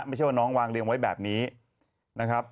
ไม่ใช่ว่าน้องวางเรียงไว้แบบนี้นะครับ